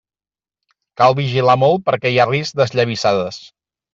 Cal vigilar molt perquè hi ha risc d'esllavissades.